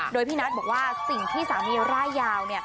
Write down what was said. โดยพี่นัทบอกว่าสิ่งที่สามีร่ายยาวเนี่ย